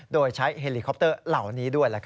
โดยใช้เฮลิคอปเตอร์เหล่านี้ด้วย